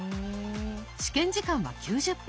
試験時間は９０分。